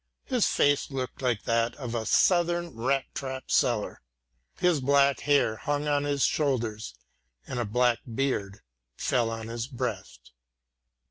His face looked like that of a southern rat trap seller. His black hair hung on his shoulders and a black beard fell on his breast.